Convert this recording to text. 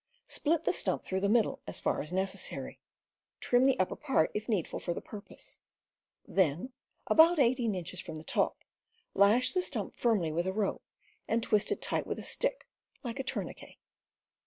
Split the stump through the middle as far as necessary. Trim the upper part, if needful for the purpose. Then, about eighteen inches from the top, lash the stump firmly with a rope, and twist it tight with a stick, like a tourniquet.